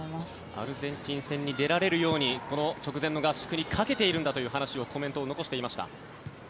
アルゼンチン戦に出られるように直前の合宿にかけているんだとコメントを出していました。